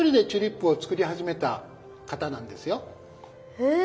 へえ。